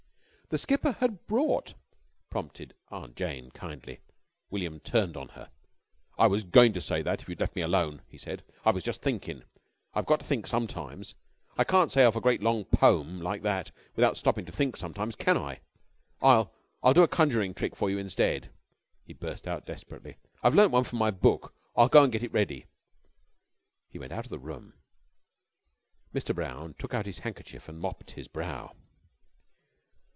"_The skipper had brought _" prompted Aunt Jane, kindly. William turned on her. "I was goin' to say that if you'd left me alone," he said. "I was jus' thinkin'. I've got to think sometimes. I can't say off a great long pome like that without stoppin' to think sometimes, can I? I'll I'll do a conjuring trick for you instead," he burst out, desperately. "I've learnt one from my book. I'll go an' get it ready." He went out of the room. Mr. Brown took out his handkerchief and mopped his brow.